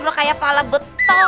berkaya pala beton